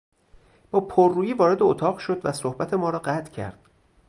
با پررویی وارد اتاق شد و صحبت ما را قطع کرد.